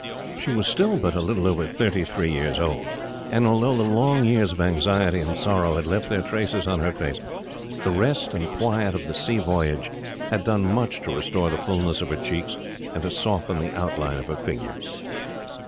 She was still but a little over thirty three years old, and although the long years of anxiety and sorrow had left their traces on her face, the rest and quiet of the sea voyage had done much to restore the fulness of her cheeks, and to soften the outline of her figure.